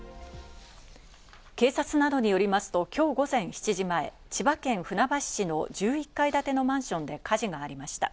警察などによりますと今日午前７時前、千葉県船橋市の１１階建てのマンションで火事がありました。